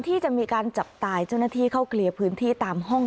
ที่จะมีการจับตายเจ้าหน้าที่เข้าเคลียร์พื้นที่ตามห้อง